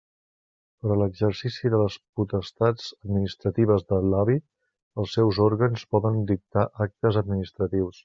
Per a l'exercici de les potestats administratives de l'AVI, els seus òrgans poden dictar actes administratius.